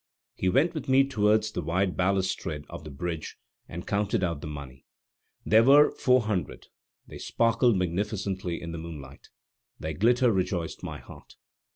He went with me towards the wide balustrade of the bridge, and counted out the money. There were four hundred; they sparkled magnificently in the moonlight; their glitter rejoiced my heart.